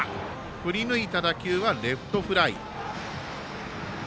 振りぬいた打球はレフトフライ。